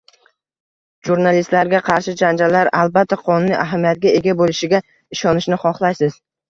Jurnalistlarga qarshi janjallar, albatta, qonuniy ahamiyatga ega bo'lishiga ishonishni xohlaysiz